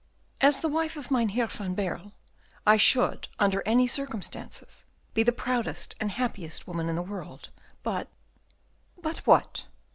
"As the wife of Mynheer van Baerle, I should, under any circumstances, be the proudest and happiest woman in the world; but " "But what?"